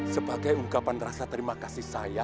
sebagai ungkapan rasa terima kasih saya